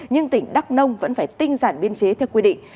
nhưng tỉnh đắk nông vẫn phải tinh giản biên chế theo quy định